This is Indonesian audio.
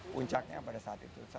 puncaknya pada saat itu